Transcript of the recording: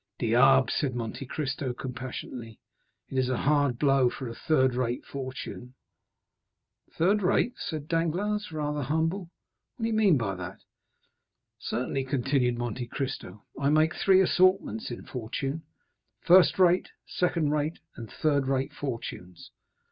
"Diable!" said Monte Cristo compassionately, "it is a hard blow for a third rate fortune." "Third rate," said Danglars, rather humble, "what do you mean by that?" "Certainly," continued Monte Cristo, "I make three assortments in fortune—first rate, second rate, and third rate fortunes.